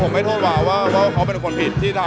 ผมยอมรับผิดจริงว่าเรื่องนี้ผมผิดเองเพราะผมพูดไม่ได้คิดตอนนั้น